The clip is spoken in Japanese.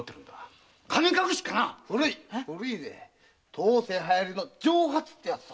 当世はやりの“蒸発”ってやつさ。